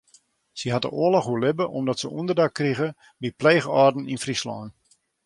Sy hat de oarloch oerlibbe omdat se ûnderdak krige by pleechâlden yn Fryslân.